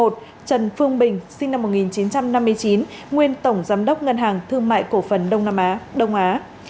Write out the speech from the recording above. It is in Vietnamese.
một trần phương bình sinh năm một nghìn chín trăm năm mươi chín nguyên tổng giám đốc ngân hàng thương mại cổ phần đông nam á đông á